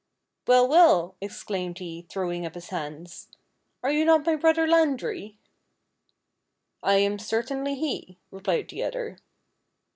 " Well ! well! " exclaimed he, throwing up his hands :" are you not my brother Landry ?"" I am certainly he," replied the other.